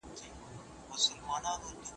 د احساس تودوخه پکې نه وه.